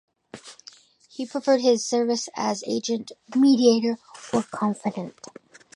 He proffered his service as agent, mediator, or confidant.